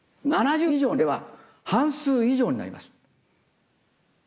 ７０以上では半数以上になります。